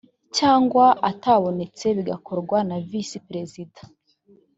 cyangwa atabonetse bigakorwa na visi perezida